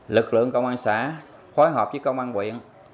lực lượng công an xã khối hợp với công an huyện